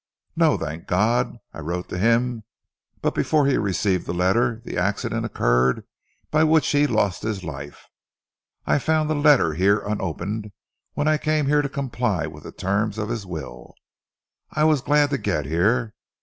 "No, thank God! I wrote to him, but before he received the letter the accident occurred by which he lost his life. I found the letter here unopened, when I came here to comply with the terms of his will. I was glad to get here.